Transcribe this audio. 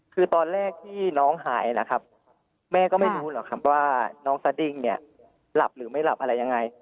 คือตอนแรกที่น้องหายนะครับแม่ก็ไม่รู้หรอกครับว่าน้องสดิ้งเนี่ยหลับหรือไม่หลับอะไรยังไง